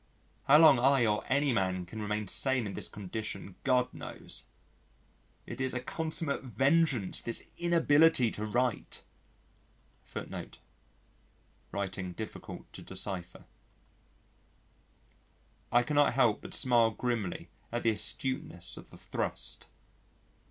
How long I or any man can remain sane in this condition God knows.... It is a consummate vengeance this inability to write. I cannot help but smile grimly at the astuteness of the thrust.